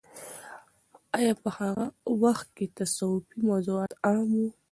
آیا په هغه وخت کې تصوفي موضوعات عام وو؟